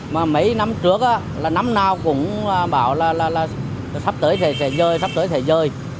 mà mấy năm trước là năm nào cũng bảo là sắp tới sẽ rơi sắp tới sẽ rơi